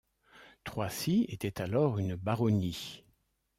Troissy était alors une baronnie.